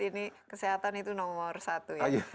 ini kesehatan itu nomor satu ya